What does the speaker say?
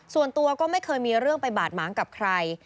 ส่วนตัวก็ไม่เคยมีเรื่องไปบาดหมางกับใคร